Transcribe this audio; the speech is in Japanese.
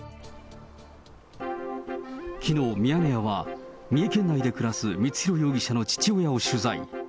きのう、ミヤネ屋は、三重県内で暮らす光弘容疑者の父親を取材。